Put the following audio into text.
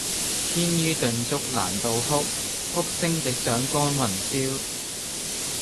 牽衣頓足攔道哭，哭聲直上干云霄！